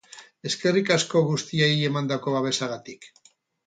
Eskerrik asko guztiei emandako babesagatik.